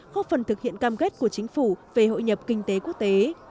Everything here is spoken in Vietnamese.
góp phần thực hiện cam kết của chính phủ về hội nhập kinh tế quốc tế